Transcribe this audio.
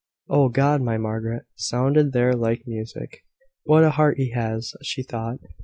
"Oh God! my Margaret!" sounded there like music. "What a heart he has!" she thought.